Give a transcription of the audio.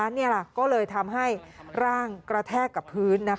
นี่แหละก็เลยทำให้ร่างกระแทกกับพื้น